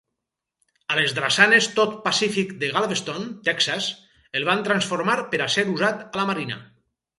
A les drassanes Todd Pacific de Galveston (Texas) el van transformar per a ser usat a la marina.